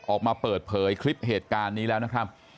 ออกมาเปิดเผยคลิปเหตุการณ์นี้แล้วนะครับ